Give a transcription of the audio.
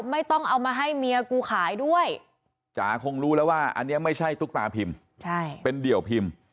ไม่ต้องเอามาให้เมียกูขายด้วยจ๋าคงรู้แล้วว่าอันนี้ไม่ใช่ตุ๊กตาพิมพ์เป็นเดี่ยวพิมพ์